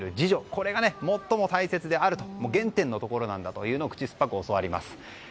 これが最も大切であると原点の心なんだと口酸っぱく教わります。